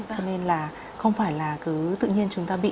cho nên là không phải là cứ tự nhiên chúng ta bị